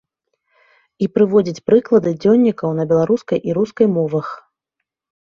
І прыводзіць прыклады дзённікаў на беларускай і рускай мовах.